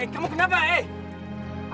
eh kamu kenapa eh